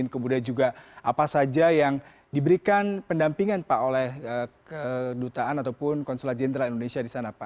kemudian juga apa saja yang diberikan pendampingan pak oleh kedutaan ataupun konsulat jenderal indonesia di sana pak